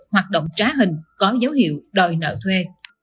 hoạt động trá hình có dấu hiệu đòi nợ thuê